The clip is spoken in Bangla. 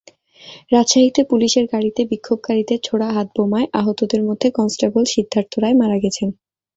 রাজশাহীতে পুলিশের গাড়িতে বিক্ষোভকারীদের ছোড়া হাতবোমায় আহতদের মধ্যে কনস্টেবল সিদ্ধার্থ রায় মারা গেছেন।